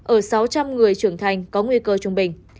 ở sáu trăm linh người trưởng thành có nguy cơ trung bình